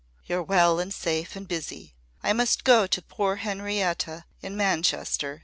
You're well and safe and busy. I must go to poor Henrietta in Manchester.